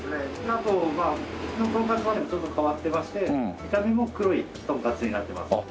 あと普通のトンカツよりちょっと変わってまして見た目も黒いトンカツになってます。